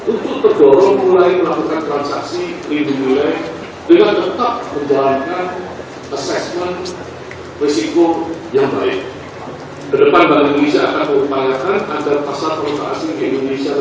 untuk tergolong mulai melakukan transaksi lindung nilai dengan tetap menjalankan asesmen risiko yang terlalu tinggi